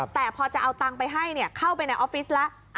แต่พอจะเอาตังค์ไปให้เข้าไปในออฟฟิศแล้ว